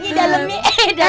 ada isinya dalamnya